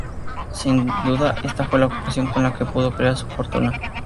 Sin duda esta fue la ocupación con la que pudo crear su fortuna.